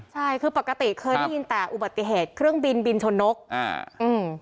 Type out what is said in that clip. ใช่คือปกติเคยได้ยินแต่อุบัติเหตุเครื่องบินบินชนนกอ่าอืม